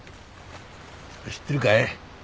知ってるかい？